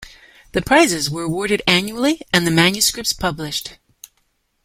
The prizes were awarded annually, and the manuscripts published.